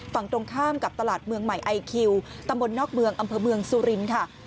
ฝั่งตรงข้ามกับตลาดเมืองใหม่ไอคิวตำบลนอกเมืองอำเภอเมืองสุรินทร์ค่ะ